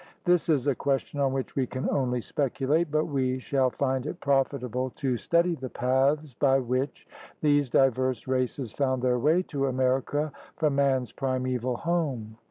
This is a question on which we can only speculate. But we shall find it profitable to study the paths by which these diverse races found their way to America from man's primeval home.